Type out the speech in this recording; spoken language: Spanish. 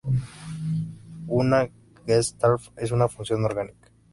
Una Gestalt es una función orgánica.